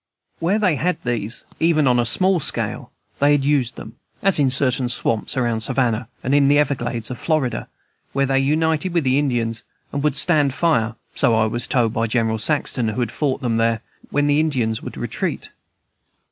Where they had these, even on a small scale, they had used them, as in certain swamps round Savannah and in the everglades of Florida, where they united with the Indians, and would stand fire so I was told by General Saxton, who had fought them there when the Indians would retreat.